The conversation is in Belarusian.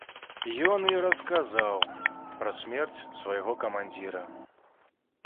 Ён і расказаў пра смерць свайго камандзіра.